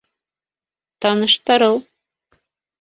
Таныштырыу